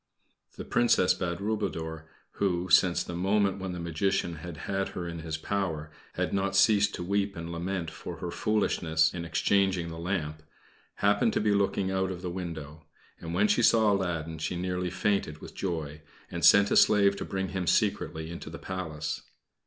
The Princess Badroulboudour, who, since the moment when the Magician had had her in his power, had not ceased to weep and lament for her foolishness in exchanging the lamp, happened to be looking out of the window; and when she saw Aladdin she nearly fainted with joy, and sent a slave to bring him secretly into the Palace.